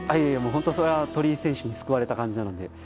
本島それは鳥居選手に救われた感じなので。